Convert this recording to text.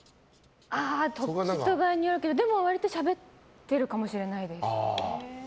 時と場合によるけどでも、割としゃべってるかもしれないです。